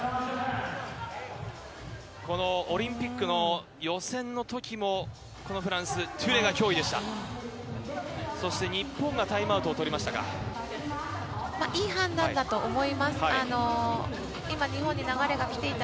このオリンピックの予選のときも、このフランス、トゥレが脅威でした。